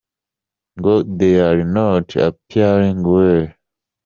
Ngo "they are not appearing well ".